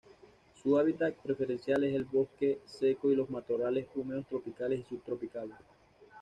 Su hábitat preferencial es el bosque seco y los matorrales húmedos tropicales y subtropicales.